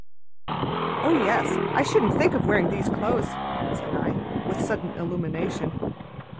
"Oh yes. I shouldn't think of wearing these clothes," said I, with sudden illumination.